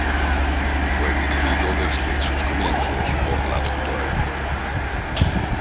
Fue dirigido desde su comienzos por la Dra.